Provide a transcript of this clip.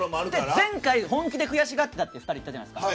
前回、本気で悔しがってたって２人言ってたじゃないですか。